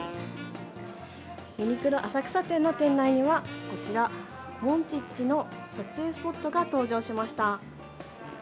ユニクロ浅草店の店内にはこちら、モンチッチの撮影スポットが登場しました。